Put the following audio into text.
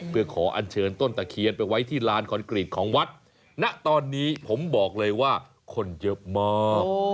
เพื่อขออันเชิญต้นตะเคียนไปไว้ที่ลานคอนกรีตของวัดณตอนนี้ผมบอกเลยว่าคนเยอะมาก